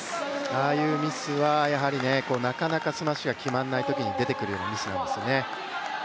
ああいうミスは、なかなかスマッシュが決まらないときに出てくるミスなんですね。